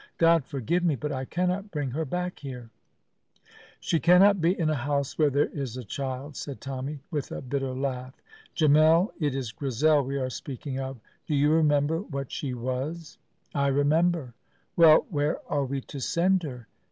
God forgive me, but I cannot bring her back here." "She cannot be in a house where there is a child!" said Tommy, with a bitter laugh. "Gemmell, it is Grizel we are speaking of! Do you remember what she was?" "I remember." "Well, where are we to send her?"